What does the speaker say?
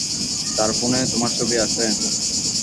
তার ফোনে তোমার ছবি আছে।